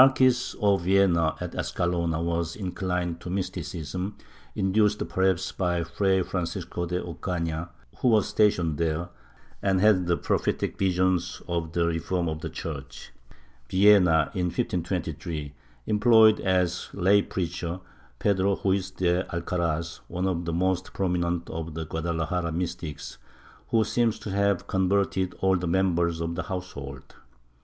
8 MYSTICISM [Book VIII Villena, at Escalona, was inclined to mysticism, induced perhaps by Fray Francisco de Ocana, who was stationed there and had prophetic visions of the reform of the Church. Villena, in 1523, employed as lay preacher Pedro Ruiz de Alcaraz, one of the most prominent of the Guadalajara mystics, who seems to have con verted all the members of the household.